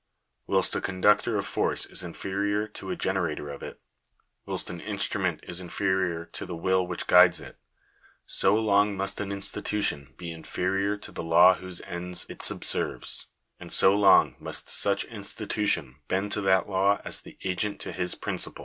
Whilst a conductor of force is inferior to a generator of it — whilst an instrument is inferior to the will which guides it, so long must an institution be inferior to the law whose ends it subserves, and so long must such institution bend to that law as the agent to his principal.